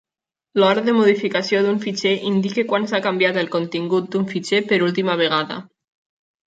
L'hora de modificació d'un fitxer indica quan s'ha canviat el contingut d'un fitxer per última vegada.